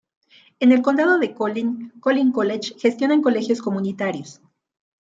En el condado de Collin, "Collin College" gestionan colegios comunitarios.